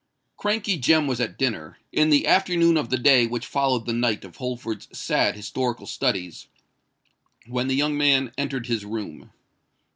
Crankey Jem was at dinner, in the afternoon of the day which followed the night of Holford's sad historical studies, when the young man entered his room.